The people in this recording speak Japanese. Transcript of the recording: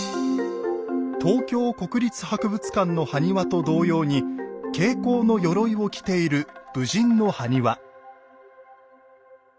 東京国立博物館の埴輪と同様に挂甲のよろいを着ている武人の埴輪。